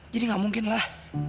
jadi gak mungkin lah